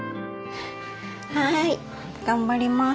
はい頑張ります。